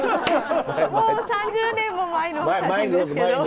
もう３０年も前の写真ですけど。